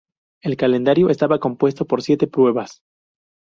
El calendario estaba compuesto de siete pruebas.